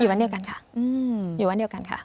บ้านเดียวกันค่ะอยู่บ้านเดียวกันค่ะ